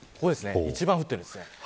一番降ってるんです。